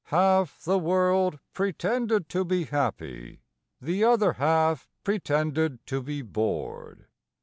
Half the world pretended to be happy, The other half pretended to be bored.